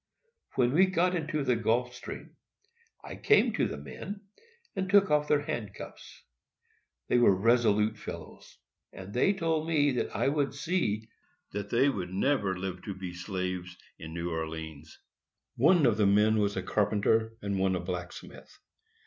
When we got into the Gulf Stream, I came to the men, and took off their handcuffs. They were resolute fellows, and they told me that I would see that they would never live to be slaves in New Orleans. One of the men was a carpenter, and one a blacksmith.